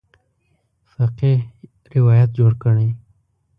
فقیه روایت جوړ کړی.